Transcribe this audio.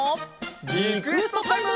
リクエストタイム！